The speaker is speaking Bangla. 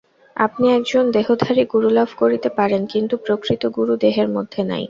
আপনি একজন দেহধারী গুরু লাভ করিতে পারেন, কিন্তু প্রকৃত গুরু দেহের মধ্যে নাই।